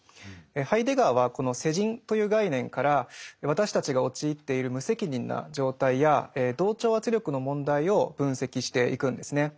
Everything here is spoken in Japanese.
ハイデガーはこの世人という概念から私たちが陥っている無責任な状態や同調圧力の問題を分析していくんですね。